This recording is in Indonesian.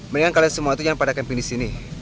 mendingan kalian semua tuh jangan pada camping disini